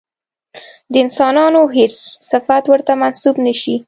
د انسانانو هېڅ صفت ورته منسوب نه شي.